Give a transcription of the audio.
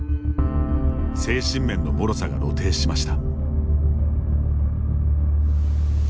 精神面のもろさが露呈しました。